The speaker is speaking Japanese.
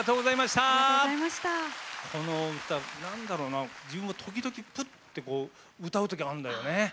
この歌何だろうな自分も時々ぷっと歌うときあるんだよね。